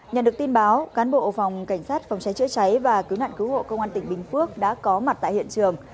nhận được tin báo cán bộ phòng cảnh sát phòng cháy chữa cháy và cứu nạn cứu hộ công an tỉnh bình phước đã có mặt tại hiện trường